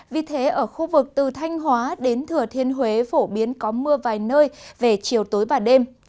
vì thế ở khu vực từ thanh hóa đến thừa thiên huế phổ biến có mưa vài nơi về chiều tối và đêm